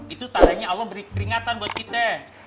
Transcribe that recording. itu tandanya allah beri peringatan buat kita